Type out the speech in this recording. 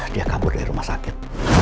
dia kabur dari rumah sakit